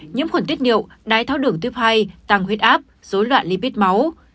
nhiễm khuẩn tiết niệu đai tháo đường tiếp hai tăng huyết áp dối loạn lipid máu